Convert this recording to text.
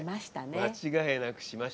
間違いなくしましたね。